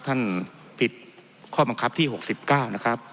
ท่านปิดข้อบังคับที่๖๙นะครับ